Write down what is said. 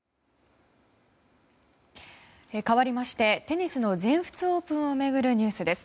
かわりましてテニスの全仏オープンを巡るニュースです。